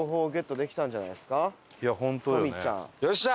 よっしゃ！